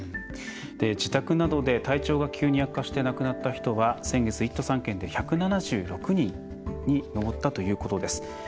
自宅などで体調が急に悪化して亡くなった人は先月１都３県で１７６人に上ったということです。